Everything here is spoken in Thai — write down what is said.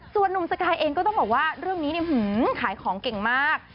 ส่วนนุ่มสกายเองก็ต้องบอกว่าเรื่องนี้ขายของเก่งมาก